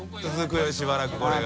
海しばらくこれが。